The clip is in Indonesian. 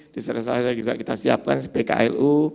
diselesaikan juga kita siapkan spklu